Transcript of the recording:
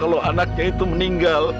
kalau anaknya itu meninggal